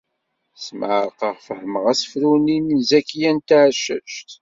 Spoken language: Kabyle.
Smeɛrqeɣ fehmeɣ asefru-nni n Zakiya n Tɛeccact.